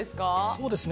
そうですね。